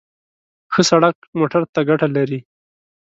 ښه سړک موټر ته ګټه لري.